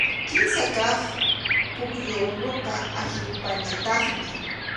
Kimsa kaq pukyu unuqa Anhilpañataqmi.